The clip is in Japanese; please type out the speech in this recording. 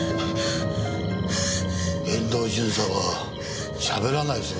遠藤巡査はしゃべらないそうです。